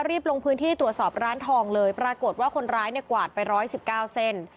รีบลงพื้นที่ตรวจสอบร้านทองเลยปรากฏว่าคนร้ายเนี่ยกวาดไป๑๑๙เส้น